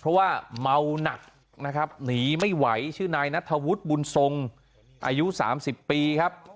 เพราะว่าเมาหนักนะครับหนีไม่ไหวชื่อนายนัทธวุฒิบุญทรงอายุ๓๐ปีครับ